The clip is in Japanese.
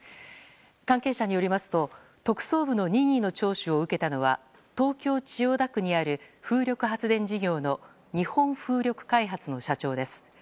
関係者によりますと特捜部の任意の聴取を受けたのは東京・千代田区にある風力発電事業の日本風力開発の社長です。